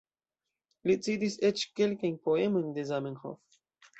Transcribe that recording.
Li citis eĉ kelkajn poemojn de Zamenhof.